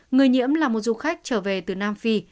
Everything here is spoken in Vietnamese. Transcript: người nhiễm là một du khách trở về từ nam phi